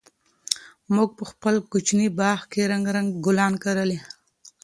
موږ په خپل کوچني باغ کې رنګارنګ ګلان کرلي دي.